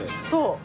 そう。